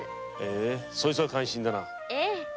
そいつは感心だな。